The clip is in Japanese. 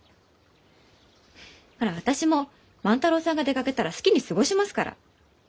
ほら私も万太郎さんが出かけたら好きに過ごしますから。